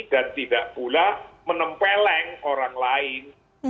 dan tidak pula menempeleng orang lain